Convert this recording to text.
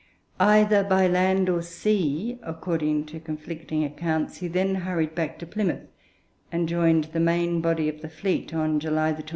Either by land or sea, according to conflicting accounts, he then hurried back to Plymouth, and joined the main body of the fleet on July 23.